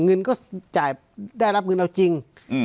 เงินก็จ่ายได้รับเงินเอาจริง